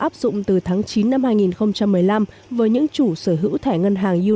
áp dụng từ tháng chín năm hai nghìn một mươi năm với những chủ sở hữu thẻ ngân hàng u